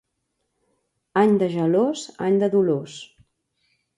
Any de gelors, any de dolors.